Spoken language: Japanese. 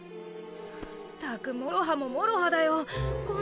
ったくもろはももろはだよっ！